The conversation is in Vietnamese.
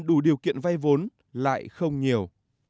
đủ điều kiện vay vốn lại không nhiều